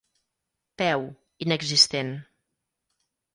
Peu: inexistent.